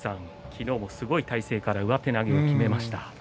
昨日もすごい体勢から上手投げをきめました。